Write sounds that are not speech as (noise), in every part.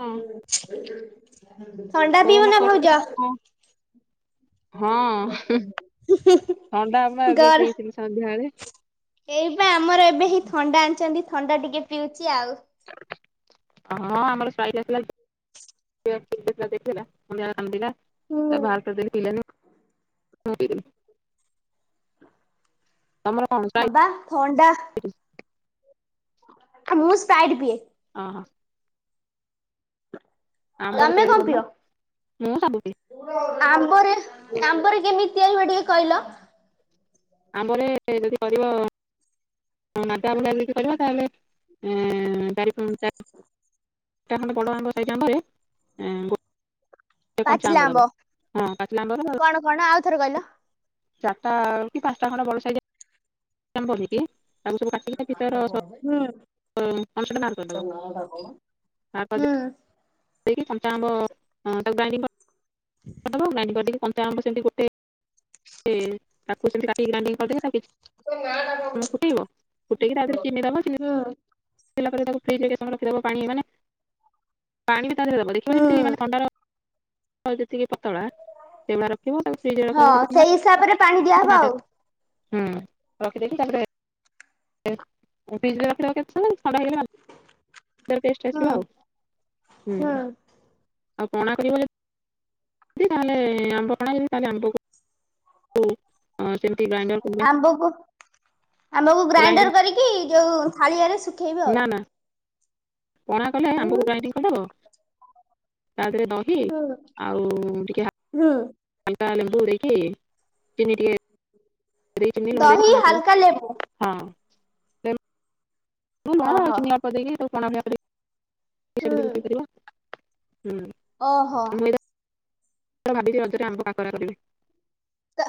ହଁ ଥଣ୍ଡା ପିଉ ଫୋନ ନା କରିଥିଲ ଭଉଜ କଣ ହଁ ଥଣ୍ଡା ବା ଏବେ ଘର ପିଇଥିଲି ସନ୍ଧ୍ୟାବେଳେ। ଏଇପ ଆମର ଏବେ ହିଁ ଥଣ୍ଡା ଆଣିଛନ୍ତି ଥଣ୍ଡା ଟିକେ ପିଉଛି ଆଉ ହଁ ଆମର ଶାଇ ଆସିଲ ହୁଁ। (unintelligible) ହଁ (unintelligible) ହଁ ବା ଥଣ୍ଡା ଆଉ ମୁଁ ସ୍ପାଇଡ ପିଏ। ଓହ। ଆମ୍ବର ତମେ ତିଆରି କଣ କରୁନ ପିଅ? ମୁଁ ଭାବୁଛି ଆମ୍ବରେ ଆମ୍ବରେ କେମିତି ତିଆରି ହୁଏ ଟିକେ କହିଲ। ଆମ୍ବରେ ଯଦି କରିବ ମାଟ (unintelligible) କର ତାହେଲେ ହ ତା (unintelligible) ବଡ ଆମେସାଇରେ କଞ୍ଚ ଆମ୍ବ ଦେବ ହଁ ପାଚିଲ ଆମ୍ବ କଣ କଣ ଆଉଥରେ କହିଲ? ଚାରିଟା କି ପାଞ୍ଚଟା ଖଣ୍ଡ ବଲ ସାଇଜ୍ ଆମ୍ବ ନେଇକି ଆଉ ସବୁ କାଟିକି ଭିତର ହୁଁ ହ ଅ ଦେବା ତା ହୁଁ ସେ କି କଞ୍ଚା ଆମ୍ୱ ତାକୁ (unintelligible) ଆ ଗୋଟେ କରି ତାକୁ ସେମିତି ଗୋଟେ ତାକୁ ସେମିତି ଗ୍ରାଇଣ୍ଡ କରି ଦେଇକି ତେ ଫୁଟେଇବ ଫୁଟେଇକି ତା ଦେହରେ ଚିନି ଦେବ ହୁଁ ପିଲ ପରେ ତାକୁ ଫ୍ରିଜ ଦେବ ପାଣି ମାନେ ପାଣି ବି ତା ଦେରେ ଦେବ ଦେଖ ହୁଁ ଯେମିତି ମାନେ ଥଣ୍ଡର ଟିକଏ ପତଳା ସେମା ରଖିବ ତା ହଁ ସେଇ ହିସାବରେ ପାଣି ଦିଆହେବ ଆଉ। ହୁଁ। ରଖିଦେଇବକି ତାପରେ ପିଜି ରଖି କେତେକ ସମୟ ଥଣ୍ଡା ହେଇ ଗଲେ ଟେଷ୍ଟ ହୁଁ। ଆସିବା ଆଉ ହୁଁ ଆଉ ପଣା କରିବ ତାଲେ ଆମ୍ବ ପଣା ତାଲେ ଆବକୁ ହଁ। ସେମତି ଗ୍ରାଇଣ୍ଡର କିମ୍ବା ଆମ୍ବକୁ ଆମ୍ବକୁ ଗ୍ରାଇଣ୍ଡର ଗ୍ରାଇଣ୍ଡିଙ୍ଗ କରିକି ଯୋଉ ଥାଳିଆରେ ଶୁଖେଇବ ନା ଆଉ। ନା ପଣା କଲେ ହୁଁ। ଆମ୍ବକୁ ଗ୍ରାଇଣ୍ଡିଂ କରିଦବ ତାଥୀରେ ଦ ହୁଁ ହୁଁ। ଅଆ ଲେମ୍ବୁ ଦେଇକି ଚିନି ଟିକେ ଚିନି ଲୁଣ ଦେଇକି ଦହି ପଣା କଳୁ। ହାଲକା ଲେମ୍ବୁ ହଁ। ଲେମ୍ବୁ ଲୁଣ ଓହୋ ଚିନି ଅଳ୍ପ ଦେଇକି ତାକୁ ପଣା ହୁଁ ଭଳିକରି ପିପାରିବ। ହୁଁ ଓହୋ। ଭାବିଚି ରଜରେ ଆମ୍ବ କାକରା କରିବି। ତ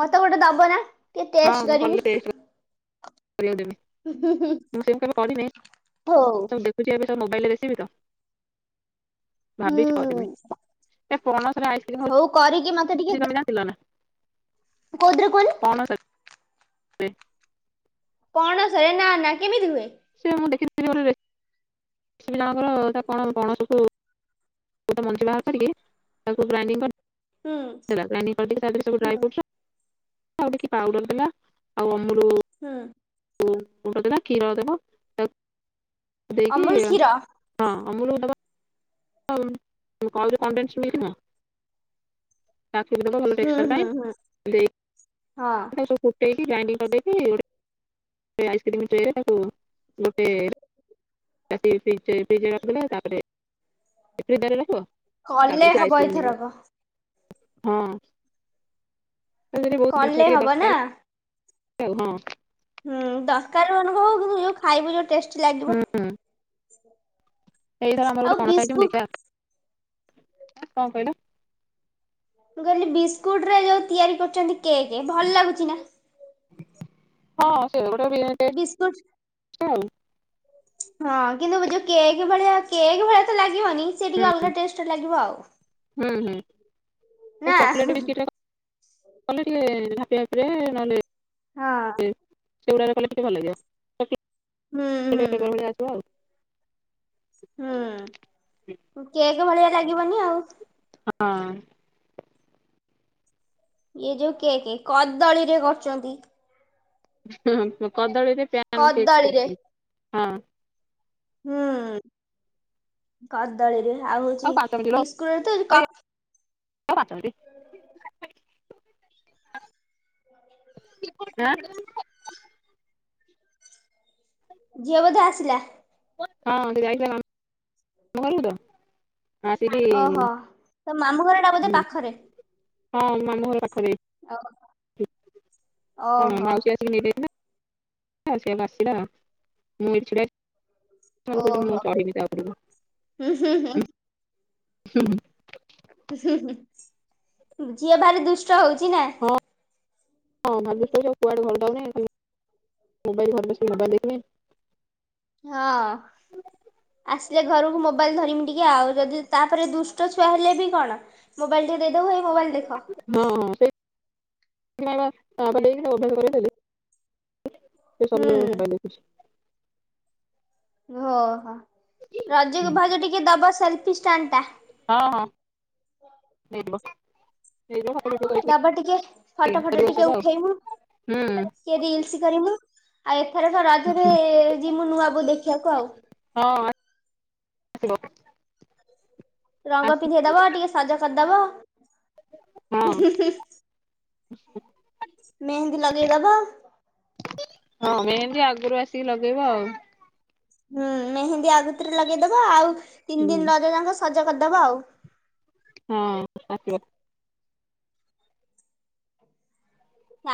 ମତେ ଗୋଟେ ଦବ ନା ଟିକେ ହଁ ଟେଷ୍ଟ ମୁଁ କଲେ କରିମି। ଟେଷ୍ଟ କରିବାକୁ ଦେବି, ମୁଁ ସେମିତି କେବେ କରିନି ହଉ ଦେଖୁଚି ଏବେ ସବୁ ମୋବାଇଲରେ ରେସିପି ତ୍, ଭାବିଛି ହୁଁ କରିବି। ଏ ପନସ ରେ ଆଇସ୍କ୍ରମ ହଉ କରିକି ମତେ ହଉଛି ତମେ ଟିକେ ଜାଣି ଥିଲ ନା? କୋଉଥିରେ କୁହନି। ପଣସରେ। ପଣସରେ ନା ନା, କେମିତି ହୁଏ? ସେ ମୁଁ ଦେଖି ଥିଲି ଗୋଟେ ରେସିପି ଜଣଙ୍କର ତାକୁ କଣ ପଣସ କୁ ଗୋଟେ ମଞ୍ଜି ବାହାର କରିକି, ତାକୁ ଗ୍ରାଇଂଡିଂ କରି ହୁଁ ଦେଲା, ଗ୍ରାଇଂଡିଂ କରିିଦେଇକି ତା ଦେହରେ ସବୁ ହୁଁ ଡ୍ରାଇ ଫ୍ରୁଟ୍ସ୍ ଆଉ ଟିକେ ପାଉଡର ଦେଲା, ଆଉ ଅମୁଲୁ ହୁଁ। ଗୁଣ୍ଡ ଦବା, କ୍ଷୀର ଦେବ ଦେଇକି ଅମୁଲ କ୍ଷୀର ହଁ ଅମୁଲ ଦେବ ଅ କଣ୍ଡେନସ୍ ମିଲ୍କ ନୁହଁ ତାକୁ ବି ଦେବ ଭଲ ହୁଁ ଟେକ୍ସଚର ହୁଁ ପାଇଁ, ହୁଁ ଦେଇ ହଁ। ସବୁ କୁଟେଇକି ଗ୍ରାଇଣ୍ଡିଂ କରିଦେଇକି ସେ ଆଇସ୍କ୍ରିମ୍ ଟ୍ରେଏରେ ତାକୁ ଗୋଟେ ଚା୍ର (unintelligible) ତାପରେ ଦରେ ରଖିବ। କଲେ ତାପରେ ସେ ହବ ଆଇସ୍କ୍ରିମ ହେଇଯିବ, ଏଇଥରକ ହଁ। ସେଥିରେ କଲେ ହବ ନା? ହଉ ହଁ। ହୁଁ ଦରକାର ମାନକୁ କିନ୍ତୁ ଯୋଉ ଖାଇବୁ ଯୋଉ ଟେଷ୍ଟି ଲାଗିବ। ହଁ। ଏଇଥର ଆମର ଗୋଟେ ଆଉ ପଣସ ଆଇଚି ବିସ୍କୁଟ ଦେଖିବା, କଣ କହିଲ? ମୁଁ କହିଲି ବିସ୍କୁଟରେ ଯୋଉ ତିଆରି କରୁଛନ୍ତି କେକ୍ ଭଲ ଲାଗୁଛି ନା? ହଁ ସେ ଗୋଟେ ବି ସ୍କୁଟ ଟେଷ୍ଟ ଆଉ ହଁ କିନ୍ତୁ ଯୋଉ କେକ୍ ଭଳିଆ କେକ୍ ଭଳିଆ ତ ଲାଗିବନି ସେ ହୁଁ ଟିକେ ଅଲଗା ଟେଷ୍ଟ ଲାଗିବ ଆଉ। ହୁଁ ହୁଁ। ନା ଚକୋଲେଟ ବିସ୍କୁଟ ଟିକେ କଲେ (unintelligible) ନହେଲେ ହଁ ସେ ସେଗୁଡ଼ାରେ କଲେ ଟିକେ ଭଲ ଲାଗିବ ହୁଁ ହୁଁ (unintelligible) ଆସିବ ଆଉ। ହୁଁ କେକ୍ ଭଳିଆ ଲାଗିବନି ଆଉ। ହଁ। ଇଏ ଯୋଉ କେକେ କଦଳୀରେ କରୁଛନ୍ତି। କଦଳୀରେ ପ୍ୟାନ କେକ୍ କଦଳୀରେ। କରିଥିଲି, ହଁ। ହୁଁ କଦଳୀରେ, ଆଉ ହଉଛି ପାଞ୍ଚ ମିନିଟ୍ ଲୋ ବିସ୍କୁଟ ରେ ତ କ ଅଇ ପାଞ୍ଚ ମିନିଟ୍। ହାଁ? ଝିଅ ବୋଧେ ଆସିଲା। ହଁ ସେ ଯାଇଥିଲା ମାମୁଁ ଘରକୁ ତ। ଆସିକି ଓହୋ, ତ ମାମୁଁ ଘର ଟା ବୋଧେ ପାଖରେ? ହଁ ମାମୁଁ ଘର ପାଖରେ, ଓ ତା ଓହୋ ମାଉସୀ ଆସିକି ନେଇ ଯାଇଥିଲା। ସିଏ ଏବେ ଆସିଲା, ମୁଁ ଏଇଠୀ ଛିଡ଼ା ହେଇଚି। ମୁଁ ଓହୋ ଚଢ଼େଇିବି ତା ଉପରକୁ ହୁଁ ହୁଁ ହୁଁ ହୁଁ। ଝିଅ ଭାରି ଦୁଷ୍ଟ ହେଉଛି ନା। ହଁ ହଁ ଭାବୁଥିଲି କୁଆଡ଼େ ଭଲ ପାଉନି ଖାଲି ମୋବାଇଲ ଘରେ ବସି ମୋବାଇଲ୍ ଦେଖିଲେ। ହଁ ଆସିଲେ ଘରକୁ ମୋବାଇଲ ଧରିମି ଟିକେ ଆଉ ଯଦି ତା ତାପରେ ଦୁଷ୍ଟ ଛୁଆ ହେଲେବି କଣ ମୋବାଇଲ୍ ଟିକେ ଦେଇଦବୁ ହେଇ ମୋବାଇଲ୍ ଦେଖ। ହଁ ହଁ ସେଇଥିପାଇଁବା (unintelligible) ସେ ହୁଁ ସବୁବେଳେ ମୋବାଇଲ୍ ଦେଖୁଚି। ଓହୋ ରଜକୁ ଭାଉଜ ଟିକେ ଦବ ସେଲ୍ଫି ଷ୍ଟାଣ୍ଡେଟା? ହଁ ହଁ ନେଇଯିବ। ଦବ ନେଇଯିବ ଟିକେ ଫଟୋ ଫଟୋ ଟିକେ (unintelligible) ଉଠେଇମୁ ହୁଁ। ଟିକେ ରିଲ୍ସ୍ କରିମୁ ଆଉ ଏଥରକ ରଜରେ ହୁଁ ଯିମୁ ନୂଆ ବୋଉ ଦେଖିବାକୁ ଆଉ। ହଁ ଅଁ। ଆସିବ। ରଙ୍ଗ ଆସି ପିନ୍ଧେଇଦବ ଟିକେ ସଜ କରିଦବ। ହଁ। ମେହେନ୍ଦୀ ଲଗେଇ ଦବ। ହଁ ମେହେନ୍ଦୀ ଆଗରୁ ଆସିକି ଲଗେଇବ ଆଉ। ହୁଁ ମେହେନ୍ଦୀ ଆଗୁତୁରା ଲଗେଇଦବ ଆଉ ତିନି ହୁଁ ଦିନ ରଜ ଯାକ ସଜ କରିଦବ ଆଉ। ହଁ ଆସିବ।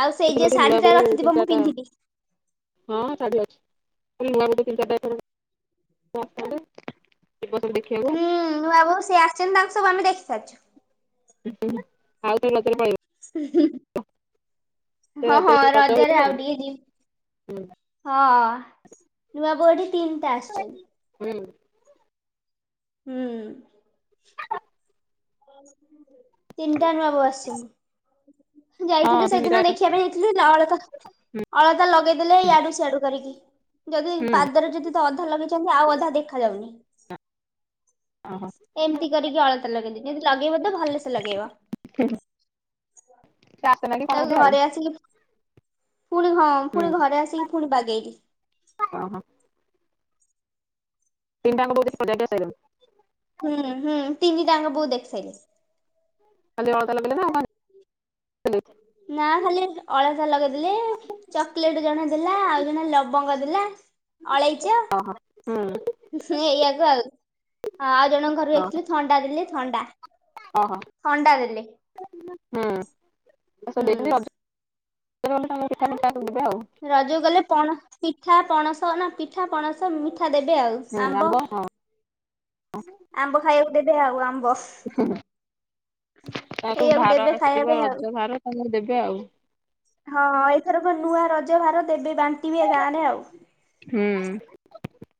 ଆଉ ସେଇ ଏଥର ଯେ ରଜରେ ଶାଢୀ ନୂଆ ଟା ବୋଉ ରଖିଥିବ ମୁଁ ଚିନ୍ତାଟା ପିନ୍ଧିବି ହଁ ଶାଢ଼ୀ ଅଛି ଖାଲି ନୂଆବୋଉ ଚିନ୍ତାଟା ଏଥର (unintelligible) ଯିବ ସବୁ ଦେଖିବାକୁ। ହୁଁ ନୂଆ ବୋଉ ସିଏ ଆସିଛନ୍ତି ତାଙ୍କୁ ସବୁ ଆମେ ଦେଖି ସାରିଛୁ। ହଁ ହୁଁ ଆଉ ଥରେ ଲଗେଇଲେ ପଳେଇବ। ହୁ ହୁ ସେ ହଁ ହଁ ସବୁ ସଜ ରଜରେ ହେଇଥିବେ ଆଉ ନା ଟିକେ ଯି ହୁଁ ହଁ ନୂଆ ବୋଉ ଏଠି ତିନିଟା ଆସିଛନ୍ତି। ହୁଁ। ହୁଁ। ତିନିଟା ନୂଆ ଆସିଚନ୍ତି। ହଁ ଯାଇଥିଲୁ ତିନିଟା ସେଦିନ ଯାକ ଦେଖିବା ପାଇଁ ଯାଇଥିଲୁ ନ ହେଲେତ ଅଳତା ଲଗେଇଦେଲେ ହୁଁ ଇଆଡ଼ୁ ସିଆଡ଼ୁ କରିକି ଯଦି ହୁଁ ପାଦରେ ଯଦି ଅଧା ଲଗେ ଚନ୍ତି ଆଉ ଅଧା ଦେଖାଯାଉନି। ଓହୋ ଏମିତି କରିକି ଅଳତା ଲଗେଇଦେଇଚି ଯେଦି ଲଗେଇବତ ଭଲସେ ଲଗେଇବ। ହୁ ହୁ ତାକୁ ଘରେ (unintelligible) ଆସିକି ପୁଣି ହଁ ହୁଁ ପୁଣି ଘରେ ଆସିକି ପୁଣି ବାଗେଇଲି। ଓହୋ। ତିନିଟାଙ୍କ ବୋଉ (unintelligible) ହୁଁ ହୁଁ ତିନିଟାଙ୍କ ବୋଉ ଦେଖିସାଇଲି। ଖାଲି ଅଳତା ଲଗେଇଲେନା ଆଉ କଣ ନା ଖାଲି ଅଳତା ଲଗେଇଦଲେ ଚକୋଲେଟ୍ ଜଣେ ଦେଲା ଆଉ ଜଣ ଲବଙ୍ଗ ଦେଲା। ଅଳେଇଚ ଓହୋ ହୁଁ ହୁ ଏଇଆକୁ ଆଉ ଆଉ ଜଣ ଘରକୁ ଯାଇଥିଲୁ ଥଣ୍ଡା ଦେଲେ ଥଣ୍ଡା। ଓହୋ ଥଣ୍ଡା ଦେଲେ ହୁଁ ହୁଁ। ରଜରେ ଗଲେ ତାଙ୍କର ପିଠା ମିଠା ସବୁ ଦେବେ ଆଉ। ରଜକୁ ଗଲେ ପଣ ପିଠା ପଣସ ନା ପିଠା ପଣସ ମିଠା ଦେବେ ଆଉ। ହୁଁ ଆମ୍ବ ହଁ। ଆମ୍ବ ଖାଇବାକୁ ଦେବେ ଆଉ ଆମ୍ବ। ହୁ ହୁ ତାରଯୋଉ ଏଇଆକୁ ଭାର ଦେବେ ଖାଇବା ଆସିଥିବ ପାଇଁ ଆଉ। ରଜ ଭାର ତମକୁ ଦେବେ ଆଉ। ହଁ ଏଥରକ ନୂଆ ରଜ ଭାର ଦେବେ ବାଣ୍ଟିବେ ଗାଁରେ ଆଉ। ହୁଁ।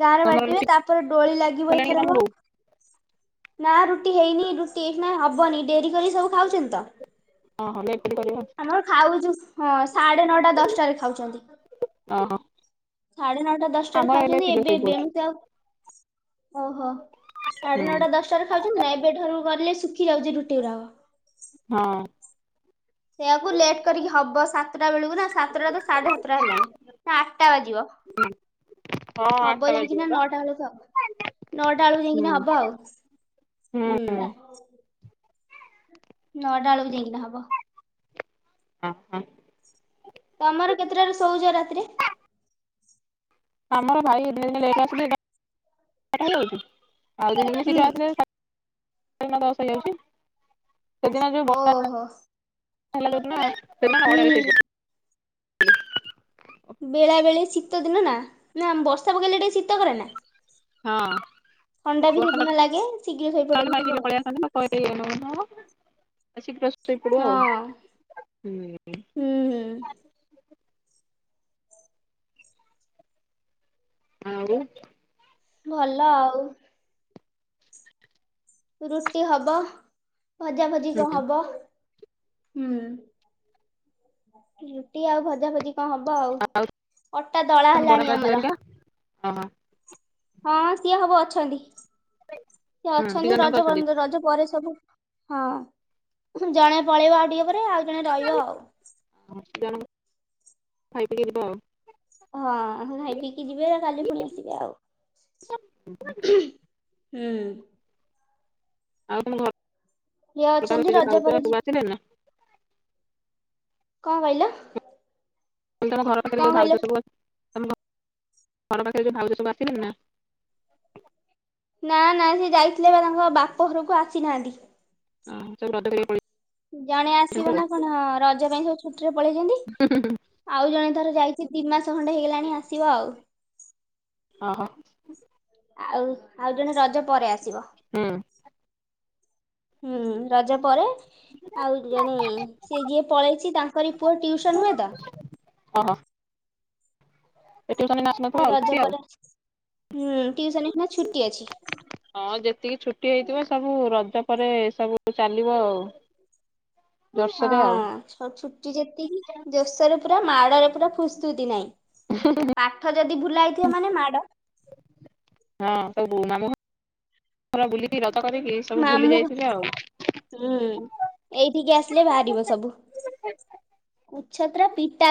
ଗାଁରେ ତମର ବାଣ୍ତିବେ ରୁଟି ତାପରେ ଡୋଳି ଲାଗିବ କଲାଣି ତମ ଏଥରକ। ବୋଉ ନା ରୁଟି ହେଇନି ରୁଟି ଏଇଖିନା ହବନି ଡେରି କରିକି ସବୁ ଖାଉଛନ୍ତିତ। ହଁ ହଁ ଲେଟ୍ରେ କରିବି। ଆମର ଖାଉଚୁ ହଁ ସାଢେ ନଅଟା ଦଶଟାରେ ଖାଉଛନ୍ତି। ତ। ସାଢେ ନଅଟା ଦଶଟାରେ ଖାଉ ଶୀଘ୍ର ଶୋଇପଡୁଛି ଓହୋ ସାଢେ ହୁଁ ନଅଟା ଦଶ ଟାରେ ଖାଉଚନ୍ତି ନା ଏବେ ଠାରୁ କଲେ ଶୁଖି ଯାଉଚି ରୁଟି ଗୁାଡାକ। ହଁ। ସେଇୟାକୁ ଲେଟ୍ କରିକି ହବ ସାତଟା ବେଳକୁ ନା ସାତଟା ତ ସାଢେ ସାତଟା ହେଲାଣି ଏଇନା ଆଠଟା ବାଜିବ। ହଁ। ହବ ଆଠଟା ବାଜିବ ଯାଇକିନା ବା ନଅଟା ବେଳକୁ ଆଉ ନଅଟା ବେଳକୁ ହୁଁ ଯାଇକିନା ହବ ଆଉ। ହୁଁ। ନଅଟା ବେଳକୁ ଯାଇକିନା ହବ। ହ। ତମର କେତେଟାରୁ ଶୋଉଛ ରାତିରେ? ଆମର ଭାଇ ଏବେ ଜିଦି ଲେଟେରେ ଆସିଲେ ଆଉ ଦିନେ ଦିନେ ହୁଁ। ଶୀଘ୍ର ଆସିବେ। ସବୁଦିନ ଦଶ ହେଇଯାଉଛି ସେଦିନ ଯୋଉ ବର୍ଷା ଓହୋ ହେଲା ଯେଉ ଦିନ ସେଇ ଦିନ ଆମେ ହୁଁ ନଟାରେ ଶୋଇଚୁ। ବେଳା ବେଳି ଶୀତ ଦିନ ନା ନା ବର୍ଷା ପକେଇଲେ ଟିକେ ଶୀତ କରେ ନା? ହଁ ଥଣ୍ଡା ବି ବର୍ଷା ସେଦିନ ଲାଗେ ଶୀଘ୍ର ଶୋଇପଡନ୍ତି ସବୁ ଆଉ। ହଁ ଏଇଆ ନୁହେଁ କଣ ଶୀଘ୍ର ସବୁ ସୋଇ ପଡୁ ଆଉ ହୁଁ। ହୁଁ ହୁଁ। ଆଉ ଭଲ ଆଉ। ରୁଟି ହବ ଭଜା ଭଜି କଣ ହୁଁ ହବ ହୁଁ। ରୁଟି ଆଉ ଭଜା ଭୁଜି। ହଁ ହବ ଆଉ ଅଟା ଦଳା ତମ ହେଲାଣି ବଡବାପା ଝିଅ ଆମର। ହେରିକା ଓହୋ ହଁ ସିଏ ସବୁ ଅଛନ୍ତି ସିଏ ହଁ ଦି ଅଛନ୍ତି ଜଣ ଯାକ ରଜ ଅଛନ୍ତି ପନ୍ତ ରଜ ପରେ ସବୁ ହଁ ଜଣେ ପଳେଇବ ଆଉ ଟିକେ ପରେ ଆଉ ଜଣେ ରହିବ ଆଉ। ଜଣ କୁ ଖାଇ ପିକି ଯିବ ଆଉ। ହଁ ଖାଇ ପିଇକି ଯିବେ କାଲି ପୁଣି ଆସିବେ ଆଉ। ହୁଁ। ଆଉ ତୁମ ଇଏ ଘର ଅଛନ୍ତି ସେଇ ଯୋଉ ରଜ କହୁଚ ପରେ ସବୁ ଯିବେ ଆସିଲେ ନା? କଣ କହିଲ? ତମ ଘର ପାଖରେ କଣ ଯୋଉ କହିଲ ଭାଉଛ ସବୁ ତମ ଘର ପାଖରେ ଯୋଉ ଭାଉଜ ସବୁ ଆସିଲେଳି ନା? ନା ନା ସେ ଯାଇଥିଲେ ପା ତାଙ୍କ ବାପ ଘରକୁ ଆସିନାହାନ୍ତି। ହଁ ସେ ବ୍ରତ କରିଇବା କୁ ଯାଇ ଜଣେ ଆସିବ ନା କଣ ରଜ ପାଇଁ ସବୁ ଛୁଟିରେ ପଳେଇଚନ୍ତି। ଆଉ ଜଣେ ତାରେ ଯାଇଚି ଦି ମାସ ଖଣ୍ଡେ ହେଇଗଲାଣି ଆସିବ ଆଉ। ଅହ। ଆଉ ଆଉ ଜଣେ ରଜ ପରେ ଆସିବ। ହୁଁ। ହୁଁ ରଜ ପରେ ଆଉ ଜଣେ ସିଏ ଯିଏ ପଳେଇଚି ତାଙ୍କରି ପୁଅ ଟିଉସନ୍ ହୁଏ ତ। ଅହ। ଏ ଟିଉସନ୍ ରେ ନା ଏ ରଜ ପରେ ହୁଁ ଟିଉସନ୍ ଏଇଖିନା ଛୁଟି ଅଛି। ହଁ ଯେତିକି ଛୁଟି ହେଇଥିବ ସବୁ ରଜ ପରେ ସବୁ ଚାଲିବ ଆଉ। ହଁ ଜୋରସୋରେ ଆଉ ଛୁଟି ଯେତିକି ଜୋସରେ ପୁରା ମାଡରେ ପୁରା ଫୁସୁତି ନାହିଁ। ପାଠ ଯଦି ଭୁଲା ହେଇଥିବ ମାନେ ମାଡ ହଁ ସବୁ ମାମୁଁ ଘର ବୁଲିକି ରଜ କରିକି ସବୁ ଭୁଲି ମାମୁଁ ଯାଇଥିବେ ଆଉ ଘର ହୁଁ ଏଇଠିକି ଆସିଲେ ବାହାରିବ ସବୁ। କୁଛତ୍ର ପିଟା